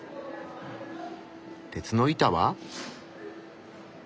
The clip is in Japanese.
鉄の板は？